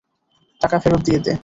টাকা ফেরত দিয়ে দে!